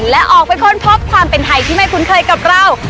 และออกไปค้นพบความเป็นไทยที่ไม่คุ้นเคยกับเรา